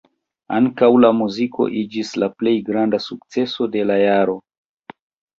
Ankaŭ la muziko iĝis la plej granda sukceso de la jaro.